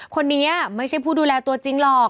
คนนี้ไม่ใช่ผู้ดูแลตัวจริงหรอก